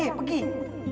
ibu rima pergi pak